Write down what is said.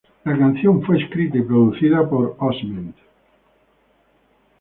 La canción fue escrita y producida por Osment.